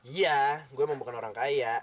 iya gue memang bukan orang kaya